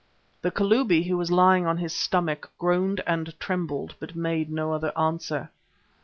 The Kalubi, who was lying on his stomach, groaned and trembled, but made no other answer.